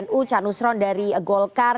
dan juga dari nu can nusron dari golkar